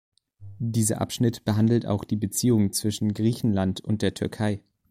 Dieser Abschnitt behandelt auch die Beziehungen zwischen Griechenland und der Türkei.